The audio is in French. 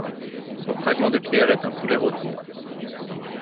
Son fragment de Pierre est un poulet rôti.